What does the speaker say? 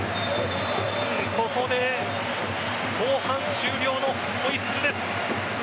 ここで後半終了のホイッスル。